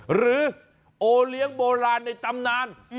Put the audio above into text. หรือโอเลี้ยงโบราณในตำนาน